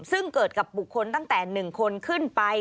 ซึ่งเกิดกับบุคคลตั้งแต่๑คนขึ้นไป